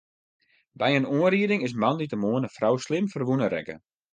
By in oanriding is moandeitemoarn in frou slim ferwûne rekke.